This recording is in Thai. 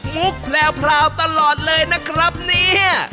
แพลวตลอดเลยนะครับเนี่ย